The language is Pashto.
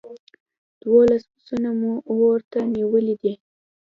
دوولس پسونه مو اور ته نيولي دي.